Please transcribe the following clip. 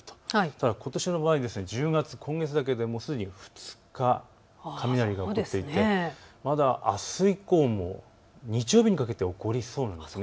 ただことしの場合、１０月、今月だけですでに２日雷が起こっていてまだあす以降も日曜日にかけて起こりそうなんです。